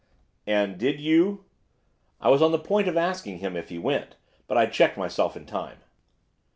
'And did you ' I was on the point of asking him if he went, but I checked myself in time.